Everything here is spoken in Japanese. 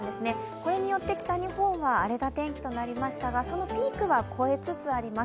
これによって北日本は荒れた天気となりましたがそのピークは越えつつあります。